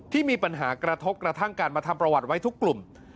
ที่มีปัญหากระทบกระทั่งการมาทำประวัติไว้ทุกกลุ่ม